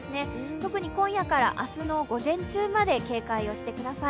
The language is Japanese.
特に今夜から明日の午前中まで警戒をしてください。